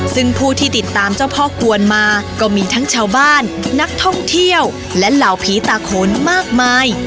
ซึ่งผู้ที่ติดตามเจ้าพ่อกวนมาก็มีทั้งชาวบ้านนักท่องเที่ยวและเหล่าผีตาโขนมากมาย